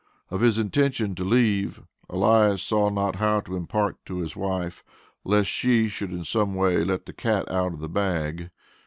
Of his intention to leave Elias saw not how to impart to his wife, lest she should in some way let the "cat out of the bag."